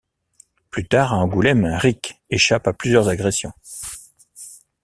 Plus tard, à Angoulême, Ric échappe à plusieurs agressions.